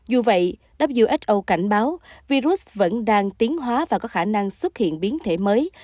dù vậy who cảnh báo virus vẫn đang tiến hóa và có khả năng xuất hiện biến thể mới